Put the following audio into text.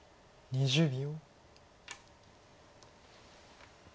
２０秒。